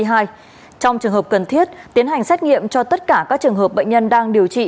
trong trường hợp cần thiết tiến hành xét nghiệm cho tất cả các trường hợp bệnh nhân đang điều trị